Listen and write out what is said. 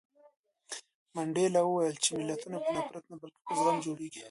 منډېلا وویل چې ملتونه په نفرت نه بلکې په زغم جوړېږي.